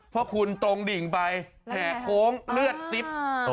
เพราะคุณตรงดิ่งไปแห่โค้งเลือดซิบ